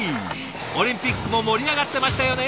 オリンピックも盛り上がってましたよね